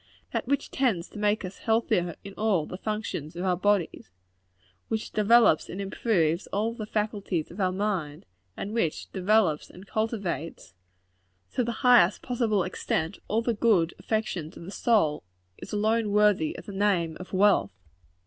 That which tends to make us healthier in all the functions of our bodies which developes and improves all the faculties of our minds and which developes and cultivates, to the highest possible extent, all the good affections of the soul is alone worthy of the name of wealth.